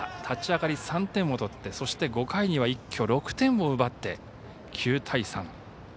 立ち上がり３点を取ってそして、５回には一挙６点を奪って９対３。